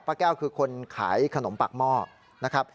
แก้วคือคนขายขนมปากหม้อนะครับ